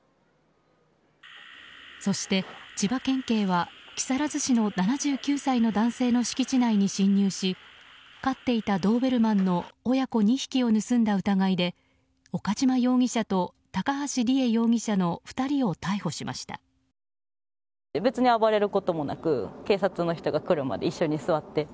そして、千葉県警は木更津市の７９歳の男性の敷地内に侵入し、飼っていたドーベルマンの親子２匹を盗んだ疑いで岡島容疑者と高橋里衣容疑者の２人を逮捕しました。